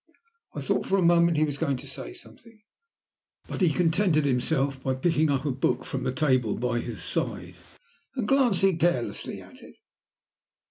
I thought for a moment that he was going to say something, but he contented himself by picking up a book from the table at his side, and glancing carelessly at it.